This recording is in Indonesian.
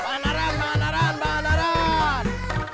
bandaran bandaran bandaran